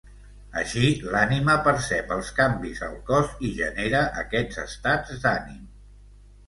Així, l'ànima percep els canvis al cos i genera aquests estats d'ànim.